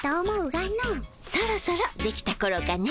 そろそろできたころかね。